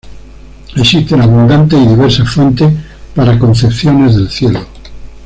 Existen abundantes y diversas fuentes para concepciones del Cielo.